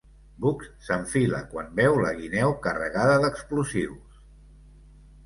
Bugs s'enfila quan veu la guineu carregada d'explosius.